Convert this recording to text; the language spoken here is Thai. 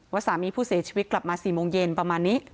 สามีผู้เสียชีวิตกลับมา๔โมงเย็นประมาณนี้